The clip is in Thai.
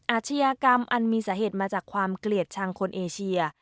อาชญากรรมอันมีสาเหตุมาจากความเกลียดชังคนเอเชีย